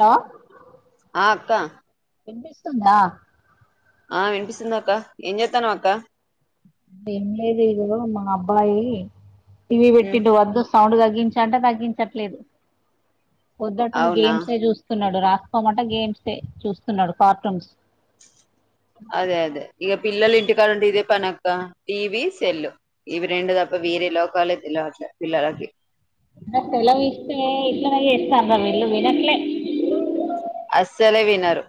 లో ఆ అక్క వినిపిస్తుందా ఆ వినిపిస్తుంది అక్క ఏం చేత్తనావ్ అక్క ఏం లేదు ఇదిగో మా అబ్బాయి టీవీ ఉమ్, పెట్టిండు వద్దు సౌండ్ తగ్గించంటే తగ్గించట్లేదు పొద్దటి నుంచి అవునా గేమ్స్ యే చూస్ తున్నాడు రాసుకోమంటే గేమ్సే చూస్తున్నాడు కార్టూన్స్ అదే అదే ఇగ పిల్లలు ఇంటి కాడ ఉంటే ఇదే పని అక్క టీవీ సెల్ల్ ఇవి రెండు తప్ప వేరే లోకాలే తెల్వట్లే పిల్లలకి అదే సెలవు ఇస్తే ఇట్లనే చేస్తాన్రురా వీళ్ళు వినట్లే అస్సలే వినరు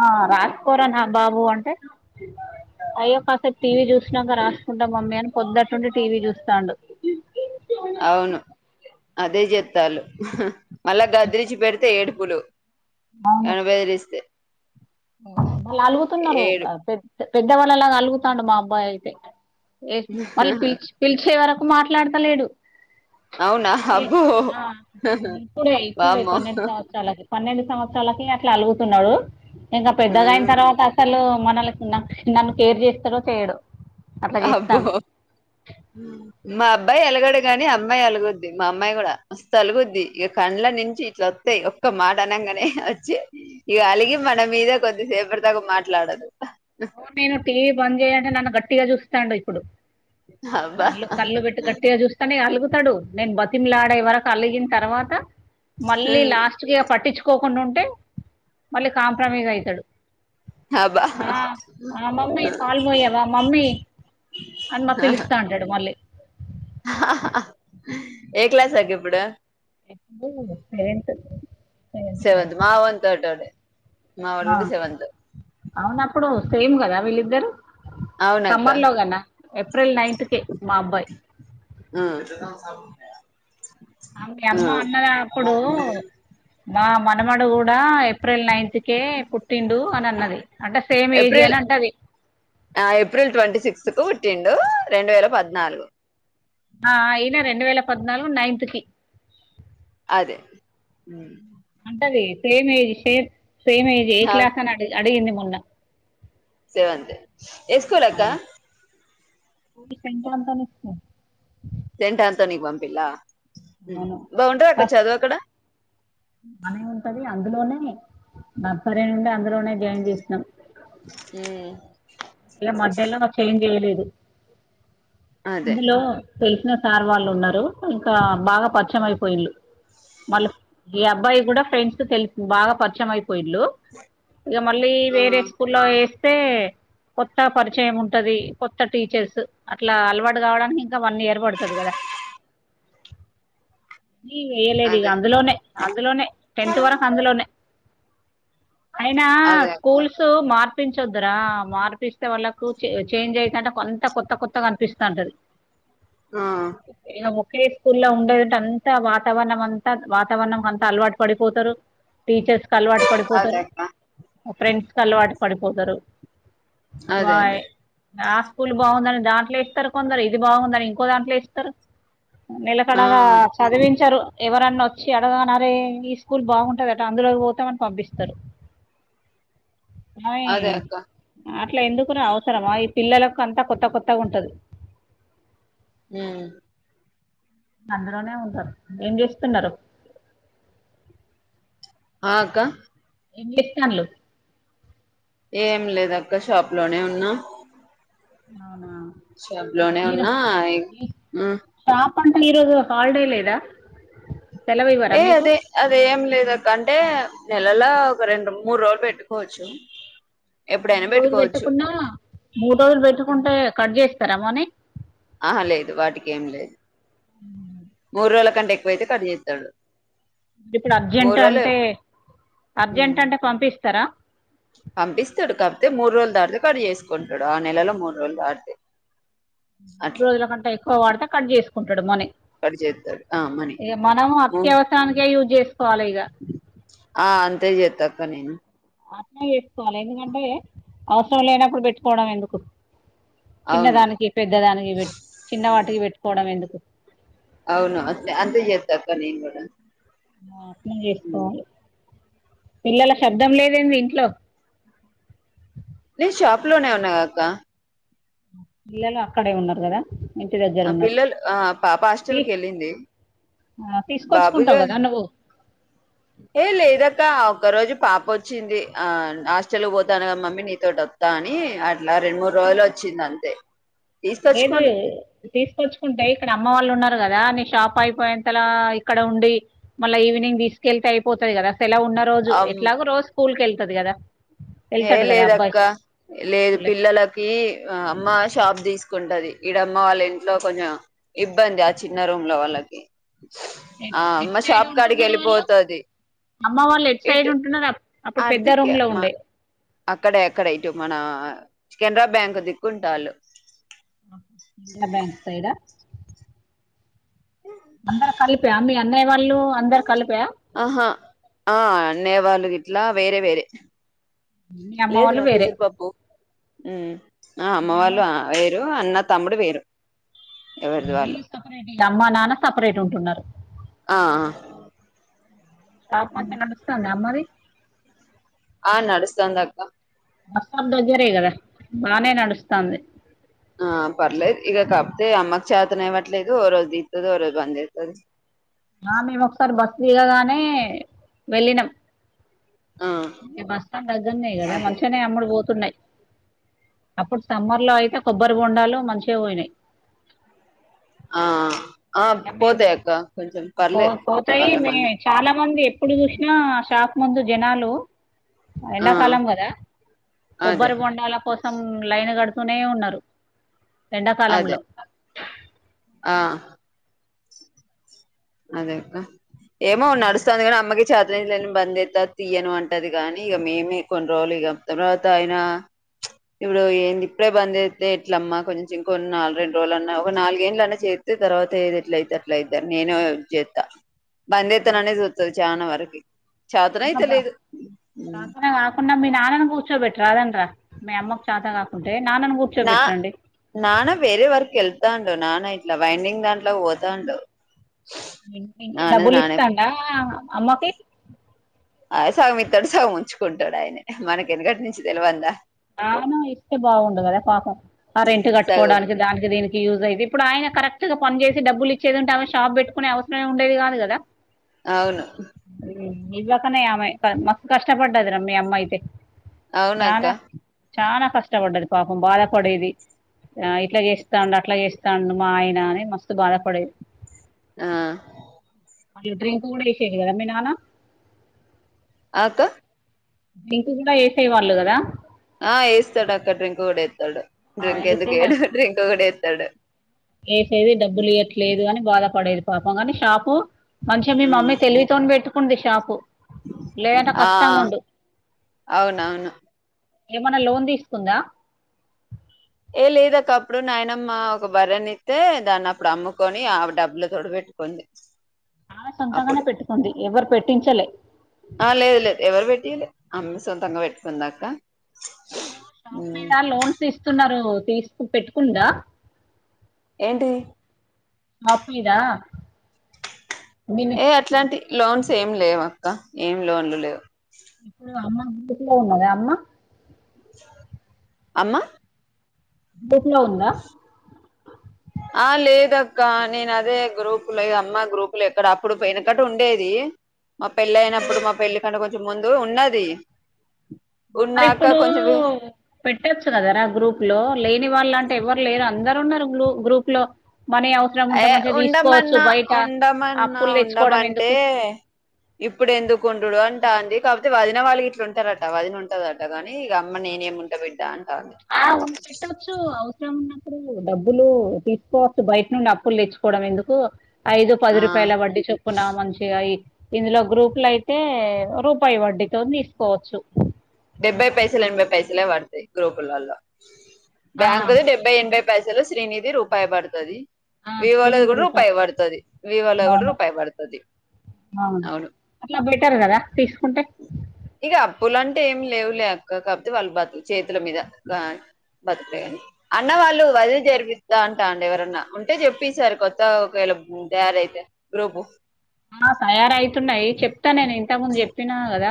ఆ రాసుకొరా నా బాబు అంటే అయ్యో కాసేపు టీవీ చూసినాంక రాసుకుంటా మమ్మీ అని పొద్దుట్నుండి టీవీ చూస్తాండు అవును అదే చేత్తా ల్లు మళ్ళా గదిరిచ్చి పెడితే ఏడుపులు అవును ఏమన్నా బెదిరిస్తే వాళ్ళు అలుగుతున్నారు ఏడు అ పెద్ పెద్దవాళ్ళలాగా అలుగుతాండు మా అబ్బాయి అయితే ఏ మళ్ళీ పిల్చ్ పిలిచే వరకు మాట్లాడతలేడు అవునా ఏ అబ్బో ఆ ఇప్పుడే ఇప్పుడే వామ్మో పన్నెండు సంవత్సరాలకి పన్నెండు సంవత్సరాలకి అట్లా అలుగుతున్నాడు ఇంగ పెద్దగైన ఉమ్, తర్వాత అసలు మనలకి న నన్ను కేర్ చేస్తాడో చేయడో అట్లా అబ్బో చేస్తాండు మా అబ్బాయి అలగడు గాని అమ్మాయి అలుగుద్ది మా అమ్మాయి కూడా మస్తు అలుగుద్ది ఇగ కండ్ల నుంచి ఇట్లా వస్తాయి ఒక్క మాట అనంగానే వచ్చి ఇగ అలిగి మన మీద కొద్దిసేపటి దాకా మాట్లాడదు నేను టీవీ బంద్ చేయ్యంటే నన్ను గట్టిగా చూస్తాండు ఇప్పుడు. అబ్బా కల్లు కండ్లు పెట్టి గట్టిగా చూస్ కనీ అలుగుతడు, నేను బతిమిలాడే వరకు అలిగిన తర్వాత, మళ్ళీ లాస్ట్ స్టుకి పట్టించుకోకుండా ఉంటే, మళ్ళీ కాంప్రమైజ్ అయితడు. అబ్బా ఆ మమ్మీ పాల్పోయవా, మమ్మీ అన్న పిలుస్తాంటడు మళ్ళీ. ఏ క్లాస్ అక్కిప్పుడు? ఇప్పుడు సెవెంత్ సెవెంత్, మావోన్ తోటోడే మావోడు ఆ గుడ సెవెంత్ అవునప్పుడు సేమ్ గదా వీళ్ళిద్దరు అవునక్క సమ్మర్ లో కన్న, ఏప్రిల్ నైన్త్ కే మా అబ్బాయి. ఉమ్ అ మీ అమ్మ అన్నదా అప్పుడు మా మనమడు గుడా ఏప్రిల్ నైన్త్కే పుట్టిండు అని అన్నది. అంటే సేమ్ ఏజేనా అంటది ఆ ఏప్రిల్ ట్వంటీ సిక్స్త్ కు పుట్టిండు రెండు వేల పద్నాలుగు ఆ ఈయినా రెండు వేల పద్నాలుగు నైన్త్ కి అదే ఉమ్ అంటది same age, same same age ఏ క్లాస్ అని అడి అడిగింది మొన్న. సేవెంత్ ఏ స్కూల్ అక్క? ఉవిస్ Saint Anthony school Saint Anthony కి పంపిల్లా, అవును బావుంటదా అక్క ఫస్ట్ చదువు అక్కడ? బానే ఉంటది, అందులోనే నర్సరీ నుండి అందులోనే జాయిన్ చేషినం. ఉమ్ ఇగ మధ్యలో మాకు చేంజ్ జేయలేదు, అదే అందులో తెలిసిన సార్ వాళ్ళు ఉన్నరు, ఇంకా బాగా పరిచయం అయిపోయిళ్ళు మళ్ళ ఈ అబ్బాయి గుడ ఫ్రెండ్స్ తెలిపి బాగా పరిచయం అయిపోయిళ్ళు ఇగ మళ్లీ వేరే స్కూల్ల ఏస్తే కొత్తగ పరిచయం ఉంటది, కొత్త టీచర్స్ అట్లా అలవాటు కావడానికి ఇంకా వన్ ఇయర్ పడతది గదా. నీ ఏయాలేదిగ అదే అందులోనే అందులోనే టెన్త్ వరకు అందులోనే, అయినా అదే అక్క స్కూల్స్ సు మార్పించొద్దురా మార్ పిస్తే వాళ్ళకు చె చేంజ్ అయతాంటే అంతా కొత్త కొత్తగ అనిపిస్తాంటది. ఆ ఇగ ముకేష్ స్కూల్లో ఉండేదంట అంతా వాతావరణం అంత, వాతావరణం అంతా అలవాటు పడిపోతరు. టీచర్స్ కలవాటు అదే పడిపోతరు, అక్క మా ఫ్రెండ్స్ కి అలవాటు పడిపోతరు. అదే వాయ్ అదే ఆ స్కూల్ బావుందని దాంట్లో ఏస్తరు కొందరు, ఇది బావుందని ఇంకో దాంట్లో ఏస్తరు ఆ నెలకడగా చదివించరు ఎవరన్న ఒచ్చి అడగనరే ఈ స్కూల్ బావుంటదట, అందులోకి పోతమని పంపిస్తరు. ఆయి అదే అక్క అట్ల ఎందుకురా అవసరమా, ఈ పిల్లలకు అంత కొత్త కొత్తగుంటది. ఉమ్ అందులోనే ఉంటరు, ఏం జేస్తున్నరు? ఆ అక్కా? ఏం చేస్తాన్లు ఏం లేదక్క షాప్ లోనే ఉన్న అవునా షాప్ లోనే ఈరో ఉన్నా ఇ ఈ అ షాప్ అంటే ఈరోజు హాలిడే లేదా సెలవు ఇవ్వరా ఏ మీకు అదే అదేం లేదక్క అంటే నెలలో ఒక రెండు మూడు రోజులు పెట్టుకోవచ్చు ఎప్పుడైనా మూడు రోజులు పెట్టుకోవచ్చు పెట్టకున్నా మూడు రోజులు పెట్టుకుంటే కట్ చేస్తారా మనీ ఆహా లేదు వాటికి ఏం లేదు మూడు రోజుల కంటే ఎక్కువైతే కట్ జేత్తడు డి ఇప్పుడు అర్జెంట్ అంటే అర్జెంట్ అంటే పంపిస్తరా పంపిస్తాడు కాపోతే మూడు రోజులు దాటితే కడు చేసుకుంటాడు ఆ నెలలో మూడు రోజులు దాడితే రోజుల కంటా ఎక్కువ వాడితే కట్ చేసుకుంటాడు మనీ కట్ చేస్తాడు ఆ మనీ ఇగ మనం అత్యవసరానికే యూజ్ చేసుకోవాలి ఇగ ఆ అంతే చేతక్క నేను అట్ల చేసుకోవాలి ఎందుకంటే అవసరం లేనప్పుడు పెట్టుకోవడం ఎందుకు చిన్న అవును దానికి పెద్ద దానికి పెట్ చిన్న వాటికి పెట్టుకోవడం ఎందుకు అవును అంతే అంతే చేస్తాక్క నేను కూడా ఆ అర్థం ఉమ్. చేసుకోవాలి పిల్లల శబ్దం లేదేందీ ఇంట్లో నేను షాప్ లోనే ఉన్నాగాక్క పిల్లలు అక్కడే ఉన్నారు కదా ఇంటి దగ్గర ఆ ఉన్నారు పిల్లలు ఆ పాప హాస్టల్ కి ఎళ్ళింది ఆ తీసుకొచ్చుకుంటవు కదా నువ్వు ఏ లేదక్క ఒక్క రోజు పాప వచ్చింది ఆ హాస్టల్ పోతాను క మమ్మీ నీతోటి కానీ అట్లా రెండు మూడు రోజులు ఒచ్చింది అంతే ఏదు తీసుకొచ్చుకొని తీసుకొచ్చుకుంటే ఇక్కడ అమ్మ వాళ్ళు ఉన్నారు కదా నీ షాప్ అయిపోయేంతలా ఇక్కడ ఉండి మళ్ళా ఈవినింగ్ తీసుకెళ్తే అయిపోతది కదా సెలవు ఉన్న రోజు అమ్ ఎట్లాగో రోజు స్కూల్ కెళ్తది కదా ఏ వెళ్తాడు కదా అబ్బాయి లేదక్క లేదు పిల్లల కి అమ్మ షాప్ తీసుకుంటది ఇడమ్మ వాళ్ళ ఇంట్లో కొంచెం ఇబ్బంది ఆ చిన్న రూమ్లా వాళ్ళకి ఎ ఆ ఎడ్ అమ్మ సైడ్ షాప్ కాడికి ఉంటున్నారు వాళ్ళు వెళ్ళిపోతది అమ్మ వాళ్ళు ఎడ్ సైడ్ ఇటు ఉంటున్నారు అప్పుడు పెద్ద రూం అదికే లో మా ఉండే అక్కడే అక్కడే ఇటు మన కెనరా బ్యాంక్ దిక్కుంటాళ్లు ఆ బ్యాంక్ సైడా అందరు కలిపా మీ అన్నయ వాళ్ళు అందరు కలిపా ఆహా ఆ అన్నయ్య వాళ్ళు గిట్లా వేరే వేరే మీ అమ్మ లేదు వాళ్ళు రా వేరే పెసిరిపప్పు ఆ అమ్మ వాళ్ళు అ వేరు అన్న తమ్ముడు వేరు ఎవరిది వాళ్ళు అమ్మా నాన్న సపరేట్ ఉంటున్నారు ఆ షాప్ మంచిగ నడుస్తాందా అమ్మది ఆ నడుస్తాందాక్క బస్టాండ్ దగ్గెర ఏ కదా బానే నడుస్తాంది ఆ పర్లేదు ఇగ కాకపోతే అమ్మకి చేతన అవ్వట్లేదు ఓ రోజు తీస్తది ఓ రోజు బంజెస్తది ఆ మేము ఒకసారి బస్సు దిగగానే వెళ్ళినం ఆ బస్ స్టాండ్ దగ్గరన్నే కదా అదే మంచిగానే అమ్ముడు పోతున్నాయి అప్పుడు సమ్మర్ లో అయితే కొబ్బరి బొండాలు మంచిగా పోయినాయి ఆ ఆ ఇక మేము పోతాయక్క కొంచెం పో పర్లేదు పోతాయి చాల మే మంది చాలా మంది ఎప్పుడు చూసినా షాప్ ముందు జనాలు ఆ ఎండాకాలం కదా అదే కొబ్బరి బొండాల కోస్ సం లైన్ కడుతూనే ఉన్నారు అదే ఎండాకాలంలో ఆ అదేక్క ఏమో నడుస్తోంది కానీ అమ్మకి చేతనయత లేదని బంద్ చేస్తా తీయను అంటది కాని ఇగ మేమే కొన్ని రోజులు ఇగ తర్వాత ఆయిన ఇప్పుడు ఏంది ఇప్పుడే బంద్ జెస్తే ఎట్లమ్మా కొంచెం ఇంకోన్ని నాలు రెండు రోజులుల అన్నా ఒక నాలుగేంళ్ల అన్నా చే తర్వాత ఏది ఎట్లా అయితె అట్లా అయి నేను చేత్త బందేత్తే నన్నే చూత్తది చానవరకి చాతనయిత లేదు అ మీ నాన్నని కూర్చోబెట్టి రాదండరా మీ అమ్మకు చాత కాకుంటే నాన్న కూర్చ నా నాన వేరే వర్క్ ఎళ్తాండు నానా ఇట్లా వైండింగ్ దాంట్లోకి పోతాండు ఇం ఇంట్లో నాన్నది డబ్బులు నానే ఇస్తాండా అమ్మకి ఆ సగమిత్తాడు సగం ఉంచుకుంటాడు ఆయన మనకి ఎనకటి నుంచి తెలవందా అవును ఇస్తే బాగుండ కదా పాపం ఆ రెంట్ సగం కట్టుకోవడానికి దానికి దీనికి యూజయిది ఇప్పుడ ఆయన కరెక్ట్ గా పని చేసి డబ్బులు ఇచ్చేదుంటే ఆమె షాప్ పెట్టుకునే అవసరమే ఉండేది కాదు కదా అవును ఇవ్వకనే ఆమె మస్ కష్టపడ్డదిరా మీ అమ్మ అయితే అవునక్క చానా చాన కష్టపడ్డది పాపం బాధపడేది ఇట్లా చేస్తాండు అట్లా చేస్తాండు మా ఆయన అని మస్తు బాధపడేది ఆ ఇగ డ్రింక్ కూడా ఎశేది కదా మీ నాన ఆ అక్క డ్రింకు కూడా వేసే వాళ్ళు కదా ఆ వేస్తాడు అక్కడ డ్రింక్ కూడా వేతాడు ఆ, డ్రింక్ ఎందుకు వేసేది ఎడు డ్రింక్ కూడా వేతాడు వేసేది డబ్బులు ఇయట్లేదు అని బాధపడేది పాపం కానీ షాపు మంచిగా మీ ఉమ్ మమ్మీ తెలివితో పెట్టుకుంది షాప్ లేక ఆ కష్టంగ్ ఉండు అవునవును ఏమన్నా లోన్ తీసుకుందా ఏ లేదక్క అప్పుడు నాయినమ్మ ఒక బర్రని ఇస్తే దాన్ని అప్పుడు అమ్ముకొని ఆ డబ్బుల తోడ పెట్టుకుంది ఆ సొంతగనే అప్పుడు పెట్టుకుంది ఎవరు పెట్టించలే ఆ లేదు లేదు ఎవరు పెట్టిండు అమ్మ సొంతంగా పెట్టుకుందక్క షాప్ మీద లోన్స్ ఇస్తున్నారు తీసుకు పెట్టుకుందా ఏంటి షాప్ మీద మీ ఏ అట్లాంటి లోన్స్ ఏం లేవు అక్క ఏం లోన్లు లేవు ఇప్పుడు అమ్మ గ్రూప్లో ఉన్నద అమ్మ అమ్మ గ్రూప్ లో ఉందా ఆ లేదక్క నేను అదే గ్రూపు లో అమ్మా గ్రూపు లో ఎక్కడ అప్పుడు పోయినకట్ట ఉండేది మా పెళ్ళ అయినప్పుడు అవును మా పెళ్లి కంటే కొంచెం ముందు ఉన్నాది మరి ఇప్పుడూ పెట్టొచ్చు గదరా గ్రూప్ లో లేని వాళ్ళు అంటే ఎవరు లేరు అందరు ఉన్నారు గ్రూ గ్రూప్ లో మనీ అవ్ ఏ ఉండమన్నా ఉండమన్నా అప్పులు తెచ్చుకోవడం ఉండమంటే ఎందుకు ఇప్పుడు ఎందుకు ఉండుడు అంటా అంది కాకపోతే వదిన వాళ్ళు గిట్లా ఉంటరట వదిన ఉంటదట కానీ ఇక అమ్మ నేనేమి ఉంటా బి టాంటాంది ఆ ఉం- పెట్టొచ్చు అవసరం ఉన్నప్పుడు డబ్బులు తీసుకోవచ్చు బయట నుండి అప్పులు తెచ్చుకోవడం ఎందుకు ఐదు పది ఆ రూపాయల వడ్డీ చొప్పున మంచి ఇగ ఈ ఇందులో గ్రూపుల అయితే రూపాయి వడ్డితోని తీసుకోవచ్చు డెబ్బై పైసలు ఎనభై పైసలే పడతయి గ్రూపులల్లో ఆ, బ్యాంకు ది డెబ్బై ఎనభై పైసలు శ్రీనిధి రూపాయి పడతది ఆ, వివాళది ఎనిమిది కూడా రూపాయి వడుతది వివాళది కూడా అవును రూపాయి బడుతది అవును అట్లా బెటర్ కదా తీసుకుంటే ఇగ అప్పులంటే ఏం లేవు లే అక్క కాపోతే వాళ్ళు బతు చేతుల మీద గాన్ బతుకుతే గాని అన్న వాళ్ళు వదిలి జరిపిస్త అంటా అండు ఎవరన్నా ఉంటే చెప్పు ఈసారి కొత్త ఆవకాయలు ఉంటారైతే గ్రూపు ఆ తయారైతున్నాయి చెప్తా నేను ఇంతకు ముందు జెప్పినా కదా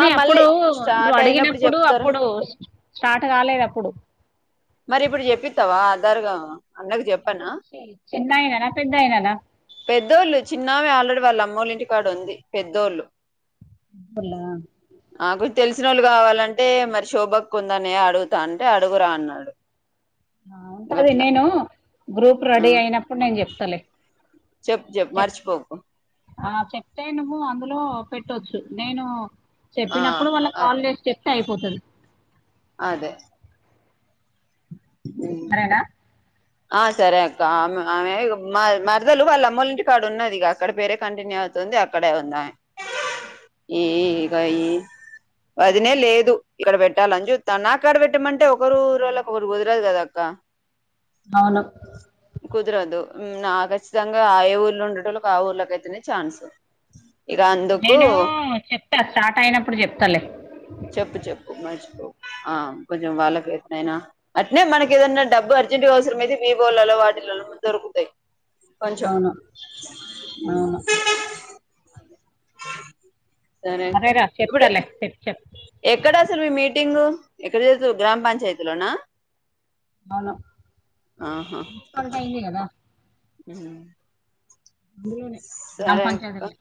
ఆ మళ్ళీ అప్పుడు నువ్వు స్టార్ట్ అయినప్పుడు అడిగినప్పుడు చెప్తారు అప్పుడు స్టార్ట్ కాలేదు అప్పుడు మరి ఇప్పుడు జెప్పితవ ఆధారుగ చిన్నాయిననా పెద్దాయిననా పెద్దోళ్ళు చిన్నామె ఆల్రెడీ వాళ్ళ అమ్మూళ్లింటి కాడ ఉంది పెద్దోళ్ళు [unintelligible] నాకు తెలిసినోళ్ళు కావాలంటే మరి శోభక్కుందన్నయ్య అడుగుతా అంటే అడుగురా అన్నాడు ఆ ఉంటది గట్లా నేను గ్రూప్ ఆ రెడీ అయినప్పుడు నేను జెప్తలే చెప్పు చెప్పు మర్చిపోకు ఆ చెప్తే నువ్వు అందులో పెట్టొచ్చు నేను ఆ చెప్పినప్పుడు వాళ్ళకి కాల్ అదే చేసి చెప్తే అయిపోతది అదే సరేనా ఆ సరే అక్క ఆమె ఆమె మర్ మరదలు వాళ్ళ అమ్మోలింటి కాడ ఉన్నది ఇగ అక్కడ పేరే కంటిన్యూ అవు తుంది అక్కడే ఉందామె ఈగ ఈ వదిన లేదు ఇక్కడ పెట్టాలని చూత్తాన్నా నాకాడ పెట్టమంటే ఒకరు ఊరోళ్ళకు ఒకరు కుదరదు కదా అక్కా అవును కుదరదు ఊమ్ నా ఖచ్చితంగా ఆ ఏ ఊర్లో ఉండేటోళ్ళకి ఆ ఊర్లకైతేనే చాన్సు ఇగ అందుకు నేను చెప్తా స్టార్ట్ అయినప్పుడు చెప్తాలే చెప్పు చెప్పు మర్చిపోకు ఆ కొంచెం వాళ్ళకు ఎట్నైనా అట్నే మనకి ఏదన్నా డబ్బు అర్జెంట్గా అవసరమైతే బీబోలల్లో వాటిలల్లో దొరుకుతాయి కొంచెం అవును అవును అక్క సరే రా చెప్తా ఇప్పుడు లే ఎక్కడ అసలు మీ మీటింగు ఎక్కడ జేస్తురు గ్రామ పంచాయతీ లోనా అవును ఆహా [unintelligible] ఉమ్. [unintelligible] సరే అక్క పంచాయతీలనే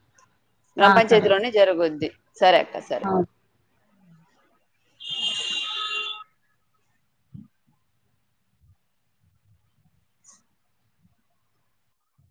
గ్రామ ఆ పంచాయతీ సరే లోనే జరగొద్ది సరే అక్క సరే ఆ